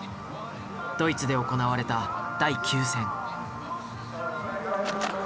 ドイツで行われた第９戦。